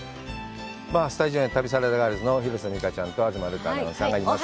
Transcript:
スタジオには、旅サラダガールズの広瀬未花ちゃんと東留伽アナウンサーがいます。